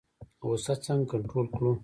غوسه څنګه کنټرول کړو؟